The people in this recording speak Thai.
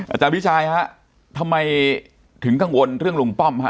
อาจารย์พี่ชายฮะทำไมถึงกังวลเรื่องลุงป้อมฮะ